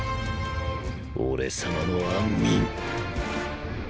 俺様の安眠！